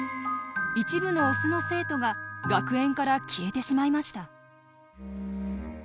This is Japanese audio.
一部のオスの生徒が学園から消えてしまいました。